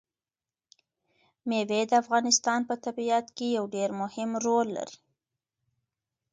مېوې د افغانستان په طبیعت کې یو ډېر مهم رول لري.